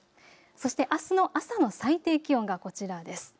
そしてあすの朝の最低気温がこちらです。